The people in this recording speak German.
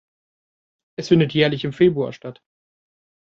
Es findet jährlich im Februar statt.